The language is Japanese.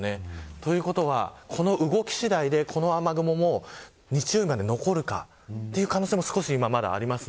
ということはこの動き次第で、この雨雲も日曜日まで残るかという可能性も、まだあります。